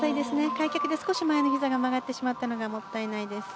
開脚で少し前のひざが曲がってしまったのがもったいないです。